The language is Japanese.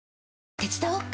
手伝おっか？